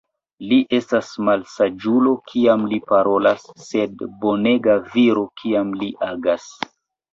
Li estas malsaĝulo, kiam li parolas, sed bonega viro, kiam li agas.